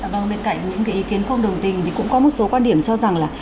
vâng bên cạnh những cái ý kiến không đồng tình thì cũng có một số quan điểm cho rằng là